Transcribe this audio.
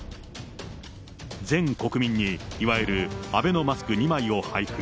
全国民にいわゆるアベノマスク２枚を配布。